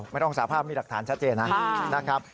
ไม่ต้องสาภาพมีหลักฐานชัดเจนนะครับ